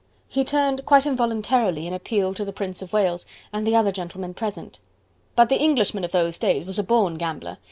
He turned, quite involuntarily, in appeal to the Prince of Wales and the other gentlemen present. But the Englishman of those days was a born gambler.